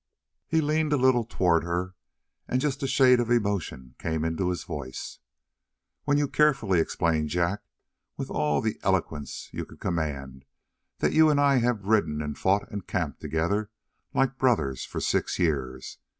He leaned a little toward her and just a shade of emotion came in his voice. "When you carefully explained, Jack, with all the eloquence you could command, that you and I have ridden and fought and camped together like brothers for six years?